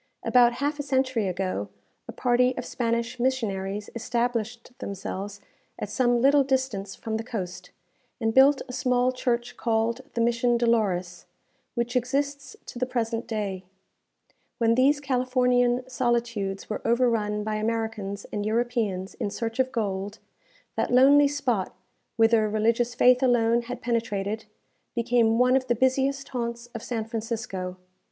About half a century ago, a party of Spanish missionaries established themselves at some little distance from the coast, and built a small church called the Mission Dolores, which exists to the present day. When these Californian solitudes were overrun by Americans and Europeans in search of gold, that lonely spot, whither religious faith alone had penetrated, became one of the busiest haunts of San Francisco.